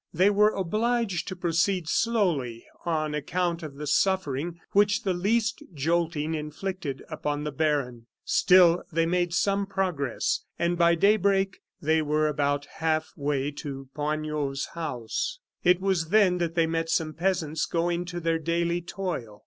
They were obliged to proceed slowly on account of the suffering which the least jolting inflicted upon the baron. Still they made some progress, and by daybreak they were about half way to Poignot's house. It was then that they met some peasants going to their daily toil.